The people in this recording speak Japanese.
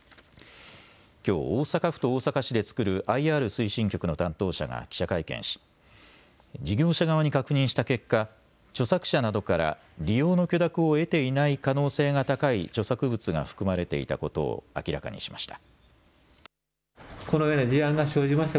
きょう大阪府と大阪市で作るＩＲ推進局の担当者が記者会見し事業者側に確認した結果、著作者などから利用の許諾を得ていない可能性が高い著作物が含まれていたことを明らかにしました。